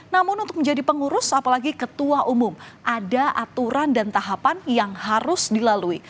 namun untuk menjadi pengurus apalagi ketua umum ada aturan dan tahapan yang harus dilalui